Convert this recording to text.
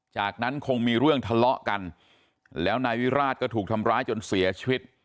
จากนั้นคงมีเรื่องทะเลาะกันแล้วนายวิราชก็ถูกทำร้ายจนเสียชีวิต